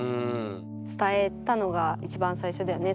伝えたのが一番最初だよね？